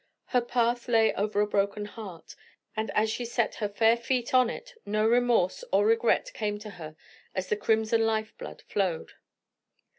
Her path lay over a broken heart, and as she set her fair feet on it no remorse or regret came to her as the crimson life blood flowed.